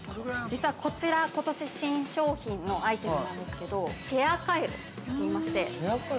◆実はこちら、ことし新商品のアイテムなんですけどシェアカイロといいまして。